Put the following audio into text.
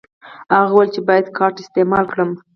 هغه وویل چې باید کارت استعمال کړم.